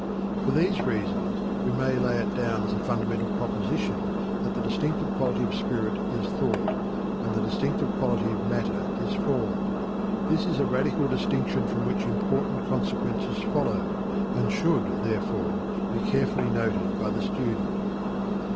For these reasons we may lay it down as a fundamental proposition that the distinctive quality of spirit is Thought and the distinctive quality of matter is Form. This is a radical distinction from which important consequences follow, and should, therefore, be carefully noted by the student.